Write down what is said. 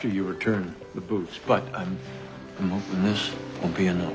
はい。